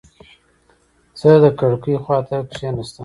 زه د کړکۍ خواته کېناستم.